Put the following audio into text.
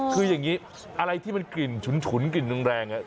คืออย่างนี้อะไรที่มันกลิ่นฉุนกลิ่นแรง